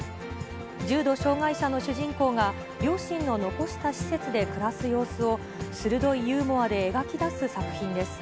重度障がい者の主人公が、両親の残した施設で暮らす様子を、鋭いユーモアで描き出す作品です。